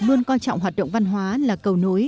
luôn coi trọng hoạt động văn hóa là cầu nối